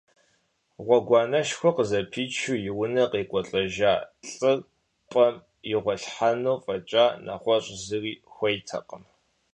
Гъуэгуанэшхуэ къызэпичу и унэ къекӏуалӏэжа лӏыр пӏэм игъуэлъхьэну фӏэкӏа нэгъуэщӏ зыри хуейтэкъым.